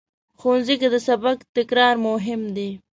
ښوونځی کې د سبق تکرار مهم دی